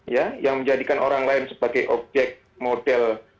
ya yang menjadikan orang lain sebagai objek model